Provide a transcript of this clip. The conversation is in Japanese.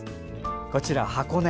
こちら、箱根。